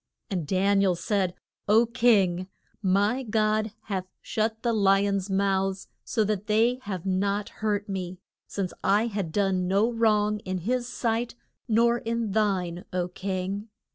And Dan i el said, O king, my God hath shut the li ons' mouths so that they have not hurt me, since I had done no wrong in his sight nor in thine, O king.